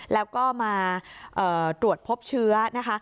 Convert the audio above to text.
แล้วก็มาตรวจพบเชื้อนะคะ